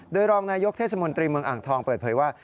โดยรองนายกเทศมนตรีเมืองอ่างทองเปิดเผยว่า